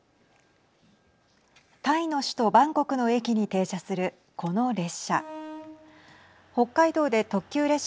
タイの首都バンコクの駅に停車するこの列車。